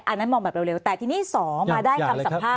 อันนั้นมองแบบเร็วแต่ทีนี้๒มาได้คำสัมภาษ